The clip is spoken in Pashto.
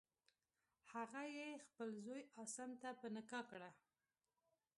هغه یې خپل زوی عاصم ته په نکاح کړه.